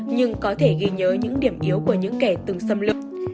nhưng có thể ghi nhớ những điểm yếu của những kẻ từng xâm lực